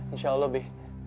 insya allah be